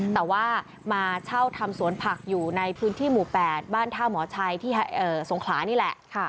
แต่ว่ามาเช่าทำสวนผักอยู่ในพื้นที่หมู่๘บ้านท่าหมอชัยที่สงขลานี่แหละ